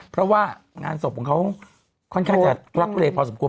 เพราะว่างานศพของเขาค่อนข้างจะรักเลพอสมควร